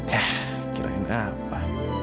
yah kirain apa